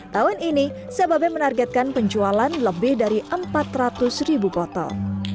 tahun ini sababe menargetkan penjualan lebih dari empat ratus ribu botol